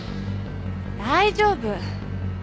大丈夫。